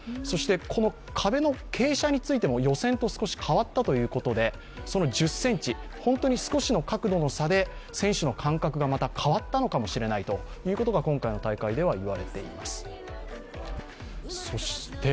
そして壁の傾斜についても予選と少し変わったということで１０ｃｍ、本当の少しの角度の差で選手の感覚がまた変わったのかもしれないと今回の大会では言われています。